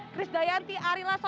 chris dayanti ari lasso